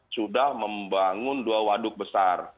sudah membangun dua waduk besar